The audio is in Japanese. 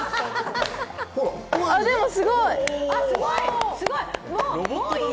でも、すごい。